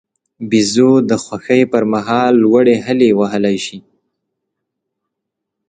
بیزو د خوښۍ پر مهال لوړې هلې وهلای شي.